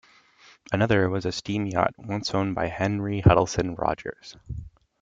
Another was a steam yacht once owned by Henry Huttleston Rogers.